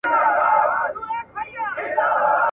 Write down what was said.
د کتاب لوستل انسان ته صبر ورکوي او د ستونزو حل اسانه کوي ..